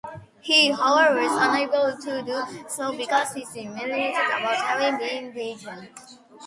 He, however, is unable to do so because he's humiliated about having been beaten.